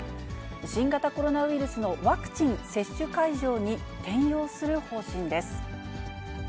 新型コロナウイルスのワクチン接種会場に転用する方針です。